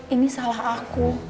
ini salah aku